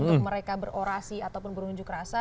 untuk mereka berorasi ataupun berunjuk rasa